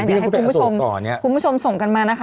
เดี๋ยวให้คุณผู้ชมส่งกันมานะคะ